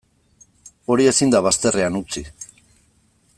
Hori ezin da bazterrean utzi.